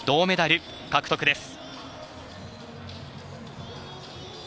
メダル獲得です。